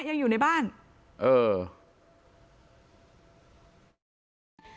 ภรรยาก็บอกว่านายทองม่วนขโมย